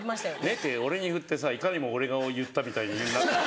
「ねっ」て俺に言ってさいかにも俺が言ったみたいに。